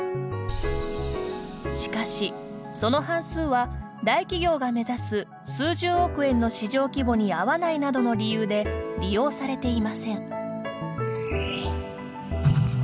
しかし、その半数は大企業が目指す数十億円の市場規模に合わないなどの理由で利用されていません。